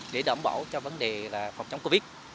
để đảm bảo cho vấn đề là phòng chống covid